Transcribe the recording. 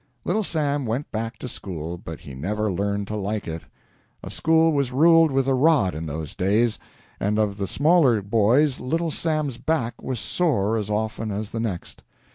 Little Sam went back to school, but he never learned to like it. A school was ruled with a rod in those days, and of the smaller boys Little Sam's back was sore as often as the next.